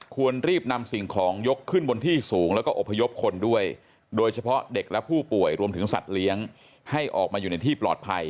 ควรรีบนำสิ่งของยกขึ้นบนที่สูงแล้วก็อบพยพคนด้วยโดยเฉพาะเด็กและผู้ป่วยรวมถึงสัตว์เลี้ยงให้ออกมาอยู่ในที่ปลอดภัย